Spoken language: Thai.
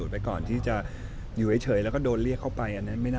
แต่ก่อนที่จะอยู่เฉยก็ต้องเลี้ยงเข้าไป